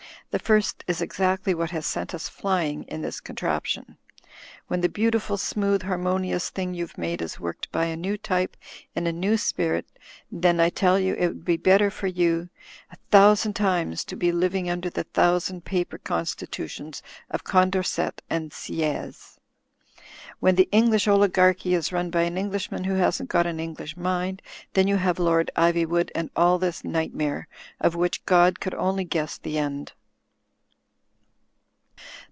The first is exactly what has sent us flying in this con traption. When the beautiful, smooth, harmonious thing youVe made is worked by a new type, in a new spirit, then I tell you it would be better for you a thousand times to be living imder the thousand paper constitutions of Condorcet and Sieyes. When the English oligarchy is run by an Englishman who hasn't got an English mind — ^then you have Lord Ivywood and all this nightmare, of which God could only guess the end."